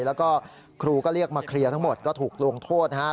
แล้วก็ครูก็เรียกมาเคลียร์ทั้งหมดก็ถูกลงโทษนะครับ